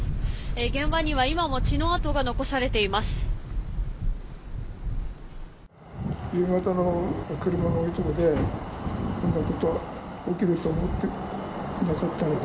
現場には今も血の痕が残されています。